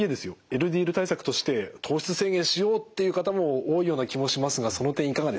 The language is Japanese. ＬＤＬ対策として糖質制限しようっていう方も多いような気もしますがその点いかがですか？